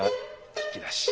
弾き出し。